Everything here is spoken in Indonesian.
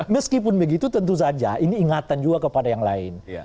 meskipun begitu tentu saja ini ingatan juga kepada yang lain